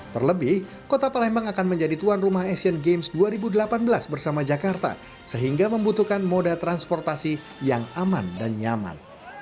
terlebih kota palembang akan menjadi tuan rumah asian games dua ribu delapan belas bersama jakarta sehingga membutuhkan moda transportasi yang aman dan nyaman